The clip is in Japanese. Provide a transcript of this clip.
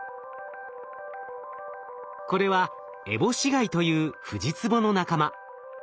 これはエボシガイというフジツボの仲間。